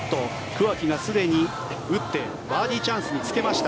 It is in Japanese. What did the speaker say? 桑木がすでに打ってバーディーチャンスにつけました。